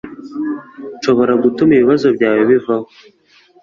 Nshobora gutuma ibibazo byawe bivaho